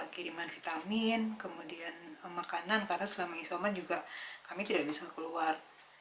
kiriman vitamin kemudian makanan karena selama isoman juga kami tidak bisa keluar